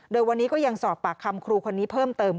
โดยวันนี้ก็ยังสอบปากคำครูคนนี้เพิ่มเติม